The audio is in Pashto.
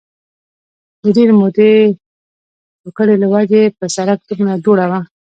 د ډېرې مودې سوکړې له وجې په سړک دومره دوړه وه